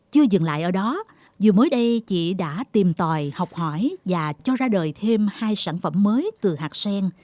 chưa dừng lại ở đó dù mới đây chị đã tìm tòi học hỏi và cho ra đời thêm hai sản phẩm mới từ hạt sen